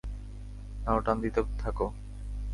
নাও টান দিতে থাকো।